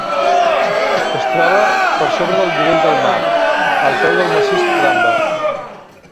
Es troba per sobre del nivell del mar, al peu del massís Ramberg.